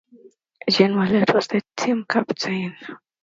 Gene Wallet was the team captain.